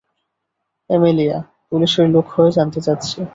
Amelia, পুলিশের লোক হয়ে জানতে চাচ্ছি।